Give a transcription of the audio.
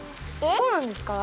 そうなんですか？